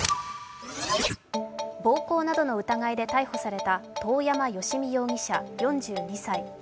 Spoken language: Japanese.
暴行などの疑いで逮捕された遠山芳美容疑者４２歳。